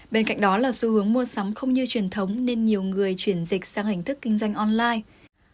bên cạnh đó là xu hướng mua sắm không như truyền thống nên nhiều người chuyển dịch sang hình thức kinh doanh online